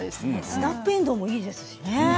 スナップえんどうもいいですしね。